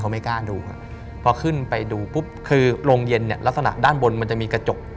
ไม่กล้าดูพอขึ้นไปดูปุ๊บคือโรงเย็นเนี่ยลักษณะด้านบนมันจะมีกระจก